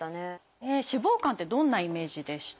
脂肪肝ってどんなイメージでした？